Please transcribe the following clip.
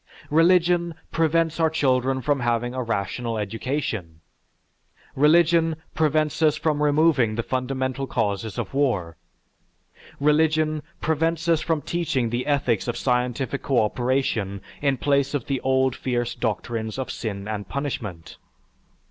Religion prevents our children from having a rational education; religion prevents us from removing the fundamental causes of war; religion prevents us from teaching the ethics of scientific cooperation in place of the old fierce doctrines of sin and punishment.